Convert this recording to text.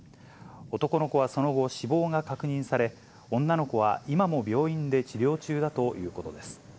男の子はその後、死亡が確認され、女の子は今も病院で治療中だということです。